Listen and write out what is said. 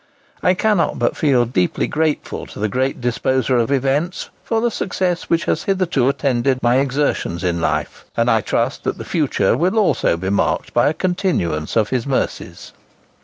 I cannot but feel deeply grateful to the Great Disposer of events for the success which has hitherto attended my exertions in life; and I trust that the future will also be marked by a continuance of His mercies."